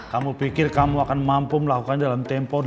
kamu pikir kamu akan mampu melakukannya dalam tempo delapan belas bulan